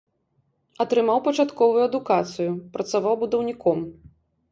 Атрымаў пачатковую адукацыю, працаваў будаўніком.